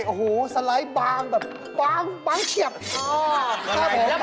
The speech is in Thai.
มาเสริมเห็นจานเหมือนถือเนื้อบางดูดีนะ